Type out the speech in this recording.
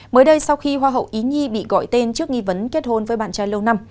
mới đây sau khi hoa hậu ý nhi bị gọi tên trước nghi vấn kết hôn với bạn trai lâu năm